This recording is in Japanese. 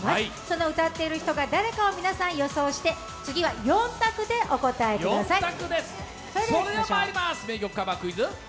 その歌っている人が誰かを皆さん予想して次は４択でお答えください。